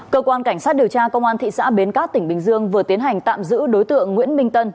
cơ quan cảnh sát điều tra công an thị xã bến cát tỉnh bình dương vừa tiến hành tạm giữ đối tượng nguyễn minh tân